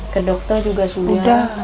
ke dokter juga sudah